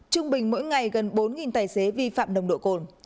trung bình mỗi ngày gần bốn tài xế vi phạm nồng độ cồn